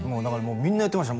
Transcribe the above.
みんな言ってました